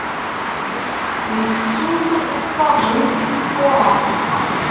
Di tefsut ttṣabent tquṛaṛ.